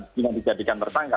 jika dijadikan tersangka